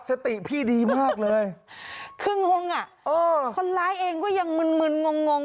สติพี่ดีมากเลยคืองงอ่ะเออคนร้ายเองก็ยังมึนมึนงงงง